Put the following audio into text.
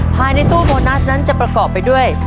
ภายในตู้โบนัสนั้นจะประกอบไปด้วย